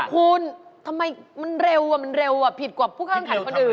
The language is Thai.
คุณทำไมเร็วพิกับผู้ข้างขันตร์คนอื่น